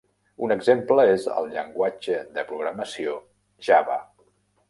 Un exemple és el llenguatge de programació Java.